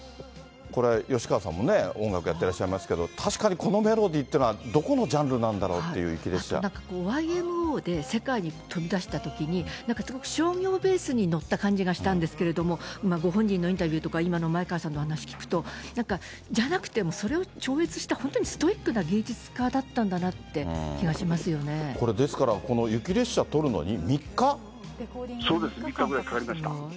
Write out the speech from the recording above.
これ、吉川さんもね、音楽やってらっしゃいますけど、確かにこのメロディーってのはどこのジャンルなんだろうという雪ＹＭＯで、世界に飛び出したときに、なんか商業ベースに乗った感じがしたんですけれども、今、ご本人のインタビューとか今の前川さんの話聞くと、なんか、じゃなくて、それを超越した本当にストイックな芸術家だったんだなって気がしこれ、ですから、そうです、３日ぐらいかかりました。